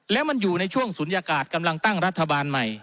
แล้วมันอยู่ในช่วงศูนยากาศกำลังตั้งรัฐบาลใหม่